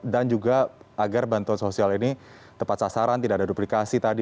dan juga agar bantuan sosial ini tepat sasaran tidak ada duplikasi tadi